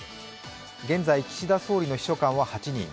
現在、岸田総理の秘書官は８人。